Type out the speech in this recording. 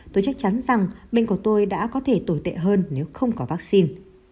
tôi chắc chắn rằng bên của tôi đã có thể tồi tệ hơn nếu không có vắc xin